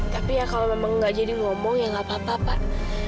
tapi ya kalau memang nggak jadi ngomong ya nggak apa apa pak